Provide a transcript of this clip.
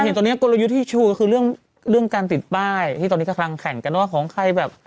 เห็นตอนนี้กลยุทธ์ที่ชูก็คือเรื่องเรื่องการติดป้ายที่ตอนนี้กำลังแข่งกันว่าของใครแบบ